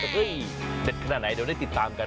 เฮ้ยเด็ดขนาดไหนเดี๋ยวได้ติดตามกัน